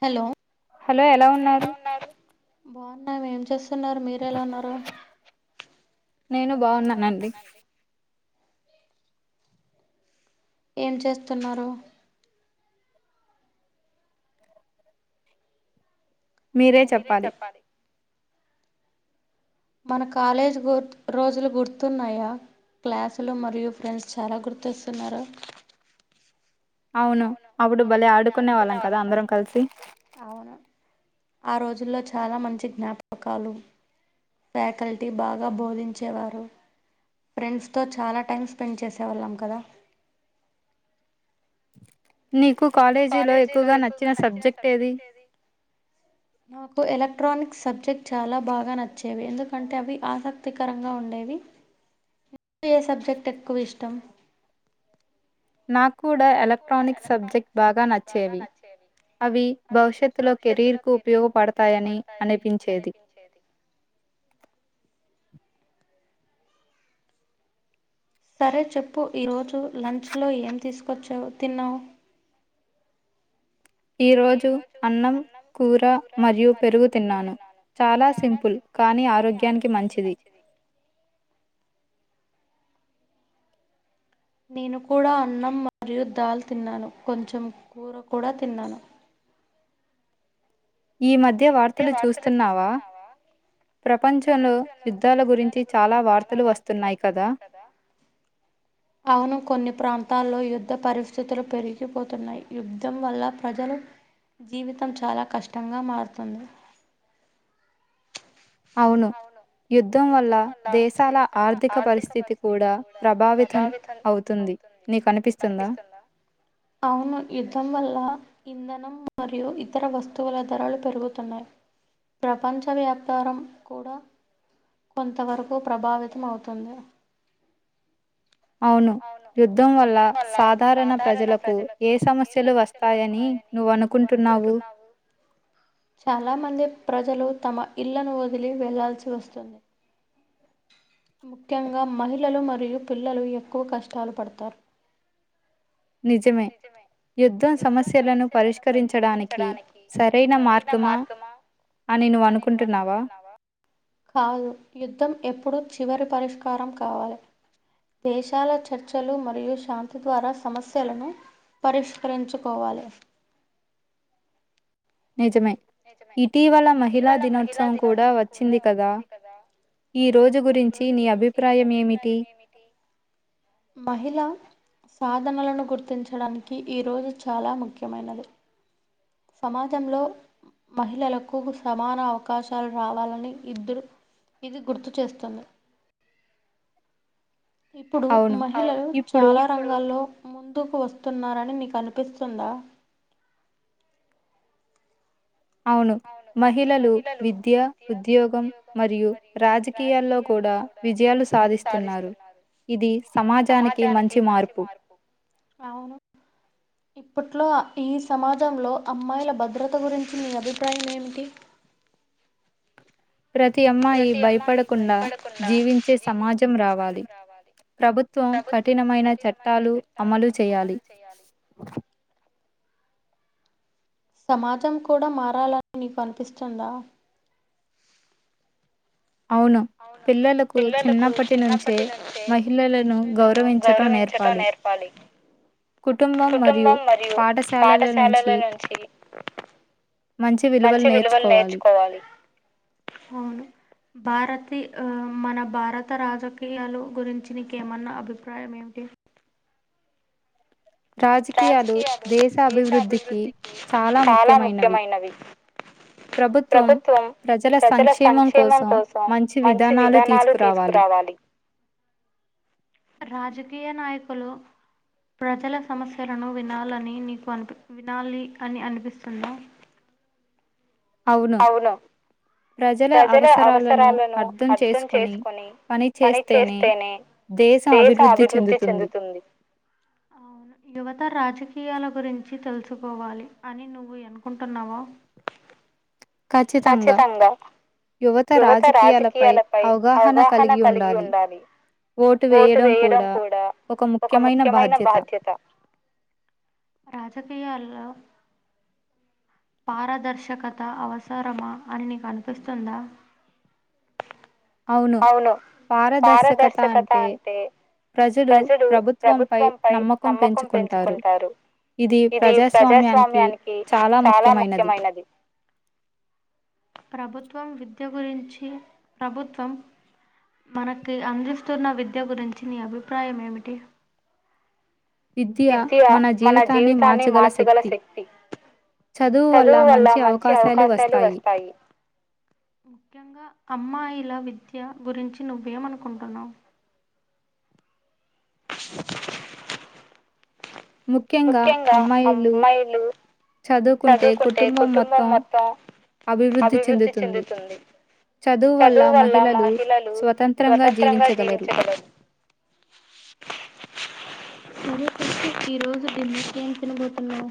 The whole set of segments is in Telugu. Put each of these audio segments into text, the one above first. హలో హలో ఎలా ఉన్నారు. తున్నారు మీరెలా ఉన్నారు. నేను బాగున్నానండి. ఏం చేస్తున్నారు, మీరే చెప్పాలి మన కాలేజీ బోర్డు గుర్తు రోజులు గుర్తున్నాయా క్లాస్లు మరియు ఫ్రెండ్స్ చాలా గుర్తొస్తున్నారు. ఔను అబుడు భలే ఆడుకునే వాళ్ళం కద అందరం కల్సి. ఆ రోజుల్లొ చాలా మంచి జ్ఞాపకాలు. ఫ్యాకల్టి బాగా బోధించేవారు. ఫ్రెండ్స్ తో చాలా టైం స్పెండ్ చేసేవాళ్ళం కద. నీకు కాలేజీలో ఎక్కువ్గా నచ్చిన సబ్జెక్టేది. నాకు ఎలక్ట్రానిక్స్ సబ్జెక్ట్ చాలా బాగా నచ్చేవి ఎందుకంటె అవి ఆసక్తికరంగా ఉండేవి. నీకు ఏ సబ్జెక్టెక్కువిష్టం. నాక్కూడా ఎలక్ట్రానిక్స్ సబ్జెక్ట్ బాగా నచ్చేవి. అవి భవిష్యత్తులొ కెరీర్కు ఉపయోగపడతాయని అనిపించేది. సరే చెప్పు ఈరోజు లంచ్ లొ ఏం తీసుకొచ్చావు తిన్నావ్. ఈ రోజు అన్నం కూర మరియు పెరుగు తిన్నాను చాలా సింపుల్ కా ని ఆరోగ్యానికి మంచిది. నేను కూడా అన్నం మరియు దాల్ తిన్నాను కొంచెం కూర కూడా తిన్నాను. ఈ మధ్య వార్తలు చూస్తున్నావా. ప్రపంచంలొ యుద్ధాల గురించి చాలా వార్తలు వస్తున్నాయ్ కద. ఔను కొన్ని ప్రాంతాల్లో యుద్ ద పరిస్థితులు పెరిగిపోతున్నాయ్ యుద్ధం వల్ల ప్రజలు జీవితం చాలా కష్టంగా మార్తుంది. ఔను. యుద్ధం వల్ల దేశాల ఆర్దిక పరిస్థితి కూడా ప్రభావితం ఔతుంది. నీకనిపిస్తుంద. ఔను యుద్ధం వల్ల ఇంద నమ్ మరియు ఇతర వస్తువుల ధరలు పెరుగుతున్నాయ్ ప్రపంచవ్యాప్ తరం కూడ కొంతవరకు ప్రభావితమౌతుంది. ఔను యుద్ధం వల్ల సాధారణ ప్రజలకు ఏ సమస్యలు వస్తాయనీ నువ్వనుకుంటున్నావు. చాలా మంది ప్రజలు తమ ఇళ్లను వదిలి వెళ్లాల్సి వస్తుంది. ముఖ్యంగ మహిళలు మరియు పిల్లలు ఎక్కువ కష్టాలు పడ్తారు. నిజమె. యుద్ధం సమస్యలను పరిష్కరించడానికి సరైన మార్గమా. అని నువ్వనుకుంటున్నావా. కాదు యుద్ధం ఎప్పుడూ చివరి పరిష్కారం కాదు దేశ్ తాల చర్చలు మరియు శాంతి ద్వార సమస్యలను పరిష్కరించుకోవాలి. నిజమె ఇటీవల మహిళా దినోత్సవం కూడా వచ్చింది కదా. ఈ రోజు గురించి నీ అభిప్రాయం ఏమిటి? మహిళ సాధనలను గుర్తించడానికి ఈరోజు చాలా ముఖ్యమైనది. సమాజంలొ మహిళలకు సమాన అవకాశాలు రావాలని ఇద్రు ఇది గుర్తు చేస్తుంది. ఇప్పుడు మహిళలు చాలా రంగాల్లో ముందుకు వస్తు త్తున్నారు అని నీకు అనిపిస్తుందా? అవును మహిళలు విద్య, ఉద్యోగం మరియు రాజకీయాల్లో కూడా విజయాలు సాధిస్తున్నారు ఇది సమాజానికి మంచి మార్పు. అవును ఇప్పట్లో ఈ సమాజంలో అమ్మాయిల భద్రత గురించి మీ అభి ప్రాయం ఏమిటి? ప్రతి అమ్మాయి భయపడకుండా జీవించే సమాజం రావాలి. ప్రభుత్వం కఠినమైన చట్టాలు అమలు చేయాలి. సమాజం కూడా మారాలని నీకు అనిపిస్తుందా? అవును పిల్లలకు చిన్నప్పటి నుంచే మహిళలను గౌరవించటం నేర్పాలి. లైక్ కుటుంబం మరియు పాఠశాలల నుంచి మంచి విలువల్ నేర్చుకోవాలి అవును భారతీ ఆ మన భారత రాజకీయాలు గురించి నీకేమన్నా అభిప్రాయం ఏమిటి? రాజకీయాలు దేశఅభివృద్ధికి చాలా ముఖ్యమైనవి. ప్రభుత్వం ప్రజల సంక్షేమం కోసం మంచి విధానాలు తీసుకురావాలి. రాజకీయ నాయకులు ప్రజల సమస్యలను వినాలని నీకు అన్పి వినాలి అని అనిపిస్తుందా. అవును ప్రజల అవసరాలను అర్థం చేసుకొని పని చేస్తేనే దేశ అభివృద్ధి చెందుతుంది. అవును యువత రాజ కియాల గురించి తెలుసుకోవాలి అని నువ్వు ఎనుకుంటున్నావా? కచ్చితంగా యువత రాజకీయాలపై అవగాహన కలిగి ఉండాలి. ఓటు వేయడం కూడా ఒక ముఖ్యమైన బాధ్యత. రాజకీయాల్లో పారదర్శకత అవసరమా అని నీక్ అనిపిస్తుందా? అవును పారదర్శకత అంటే ప్రజలు ప్రభుత్వంపై నమ్మకం పెంచుకుంటారు. ఇది ప్రజాస్వామ్యానికి చాలా ముఖ్యమైనది. ప్రభుత్వం విద్య గురించి ప్రభుత్వం మనకి అందిస్తున్న విద్య గురించి నీ అభిప్రాయం ఏమిటి? విద్య మన జీవితాన్ని మార్చగల శక్తి చదువు వల్ల మంచి అవకాశాలు వస్తాయి. ముఖ్యంగా అమ్మాయిల విద్య గురించి నువ్వేమనుకుంటున్నావ్? ముఖ్యంగా అమ్మాయిలు చదువుకుంటే కుటుంబం మొత్తం అభివృద్ధి చెందుతుంది. చదువు వల్ల మహిళలు స్వతంత్రంగా జీవించగలరు. సరే ఈ రోజు డిన్నర్ ల ఏం తినబోతున్నావ్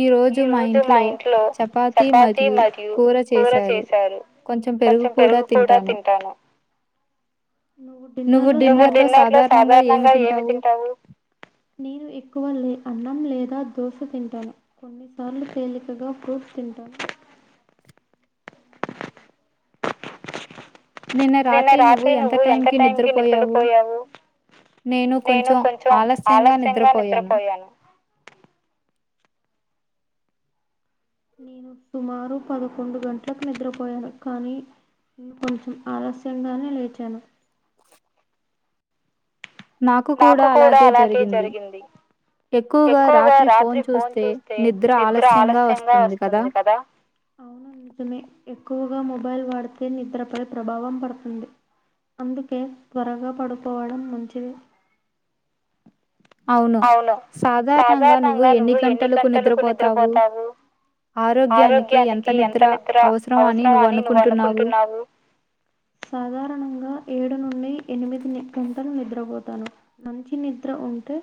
ఈ రోజు మా ఇంట్లో చపాతి మరియు కూర చేశారు. కొంచమ్ పెరుగు కూడా తింటాను నువ్వు డిన్నర్ లో నువ్వు డిన్నర్ లో సాధారణంగా ఏమి తింటావు నేను ఎక్కువ లే అన్నం లేదా దోసే తింటాను కొన్నిసార్లు తేలికగా ఫ్రూట్స్ తింటాను నిన్న రాత్రి నువ్వు యెంత టైంకి నిద్రపోయావు నేను కోంచౌ ఆలస్యంగా నిద్రపోయాను నేను సుమారు పదకొండు గంట్లకి నిద్రపోయాను కానీ నేను కొంచం ఆలస్యంగానే లేచాను నాకు కూడా అలాగే జరిగింది ఎక్కుగా రాత్రి ఫోన్ చూస్తే నిద్ర ఆలస్యంగా వస్తుంది కదా అవును నిజమే ఎక్కుగా మొబైల్ వాడ్ తే నిద్రపై ప్రభావం పడతుంది అందుకే త్వరగా పడుకోవడం మంచిది ఔను సాధారణంగా నువ్వు ఎన్ని గంటలకు నిద్రపోతావు ఆరోగ్యానికి యెంత నిద్ర అ అవ్ స్ర అని నువ్వు అనుకుంటున్నావు సాధారణంగా ఏడు నుండి ఎనిమిదిని గంటల్ నిద్రపోతాను మంచి నిద్ర ఉంటే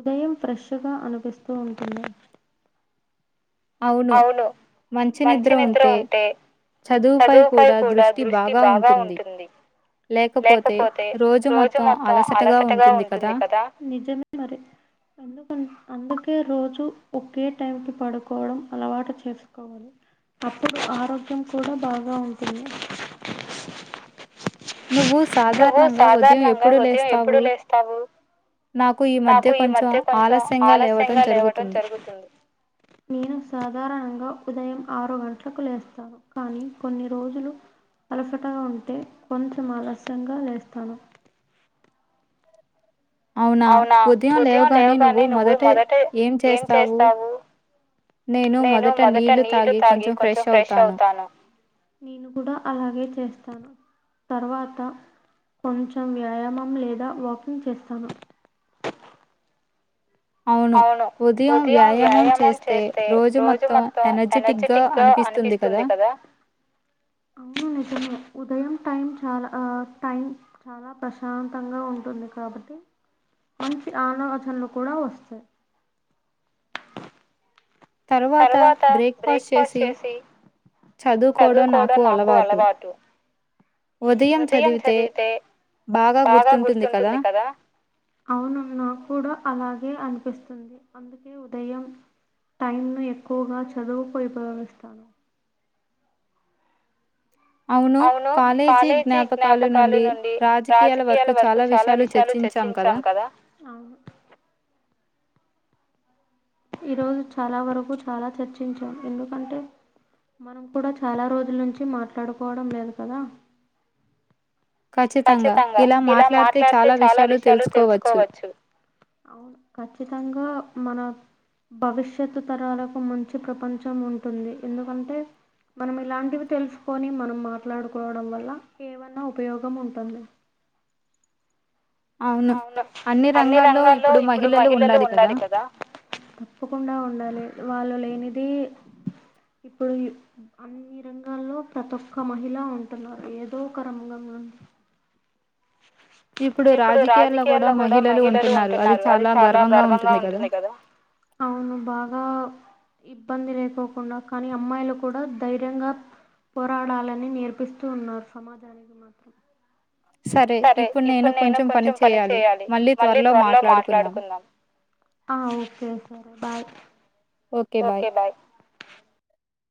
ఉదయం ఫ్రెష్ గా అనిపిస్తూ ఉంటుంది ఔను మంచి నిద్ర ఉంటే చదుపై కూడా దృష్టి బాగా ఉంటుంది లేకపోతే రోజు మొత్తం అలసటగా ఉంటుంది కదా నిజమే మరి అందుకన్ అందుకే రోజు ఒక్కే టైంకి పడుకోడం అలవాటు చేసుకోవాలి అప్పుడు ఆరోగ్యం కూడా బాగా ఉంటుంది నువ్వు సాధార్ ణంగా ఉద్ యం ఎప్పుడు లేస్తావు నాకు ఈ మధ్య కొంచౌ ఆలస్యంగా లేవటం జరుగుతుంది నీను సాధారణంగా ఉదయం ఆరు గంట్లకు లేస్తాను కానీ కొన్ని రోజులు అలసటగా ఉంటే కొంచమ్ ఆలస్యంగా లేస్తాను ఔనా ఉద్ యం లేవ్ గానే నువ్వు మొదటే ఏం చేస్తావు నేను మొదట నీళ్లు తాగి కొంచమ్ ఫ్రెష్ అవ్ తాను నీను కూడా అలాగే చేస్తాను తర్ వాత కొంచమ్ వ్యాయామం లేదా వాకింగ్ చేస్తాను ఔను ఉద్ యం వ్యాయామం చేస్తే రోజు మొత్తమ్ ఎనర్ జీటిక్ గా ఆ అనిపిస్తుంది కదా ఔను నిజమే ఉదయం టైం చాలా ఆ టైం చాలా ప్రశాంతంగా ఉంటుంది కాబట్టి మంచి ఆలోచనలు కూడా వస్తయి తర్ వాత బ్రేక్ ఫాస్ట్ చేసి చదుకోడం నాకు అలవాటు ఉద్ యం చదివితే బాగా గుర్తుంటుంది కదా ఔను నాక్ కూడా అలాగే అన్ పిస్తు స్తుంది అందుకే ఉదయం టైంను ఎక్కుగా చదుపై ఉపయోగిస్తాను ఔను కాలేజీ జ్ఞాపకాలు నుండి రాజకీయాల వరకు చాలా విషయాలు తె చర్చించాం కదా ఔను ఈ రోజు చాలా వరకు చాలా చర్చించాన్ ఎందుకంటే మనం కూడా చాలా రోజుల్ నుంచి మాట్లాడుకోడం లేదు కదా ఖచ్చితంగా ఇలా మాట్లాడితే చాలా విషయాలు తెలుసుకోవచ్చు అవును ఖచ్చితంగా మన భవిష్యత్ తరాలకు మంచి ప్రపంచం ఉంటుంది ఎందుకంటే మనం ఇలాంటివి తెలుసుకొని మనం మాట్లాడుకోవడం వల్ల ఏమన్నా ఉపయోగం ఉం పోన్లే అవును అన్ని రంగాల్లో ఇప్పుడు మహిళలు ఉండాలి కదా తప్పకుండా ఉండాలి వాళ్ళు లేనిది ఇప్పుడు ఈ అన్ని రంగాల్లో ప్రతి ఒక్క మహిళ ఉంటున్నారు ఏదో ఒక రంగంలో ఇప్పుడు రాజకీయాల్లో కూడా మహిళలు ఉంటున్నారు అది చాలా గర్వంగా ఉంటుంది కదా అవును బాగా ఇబ్బంది లేకోకుండా కానీ అమ్మాయిలు కూడా ధైర్యంగా పోరాడాలని నేర్పిస్తూ ఉన్నారు సమాజానికి మాత్రం సరే ఇప్పుడు నేను కొంచెం పని చేయాలి మళ్ళీ త్వరలో మాట్లాడుకుందాం ఆ ఓకే సరే బాయ్ ఓకే బాయ్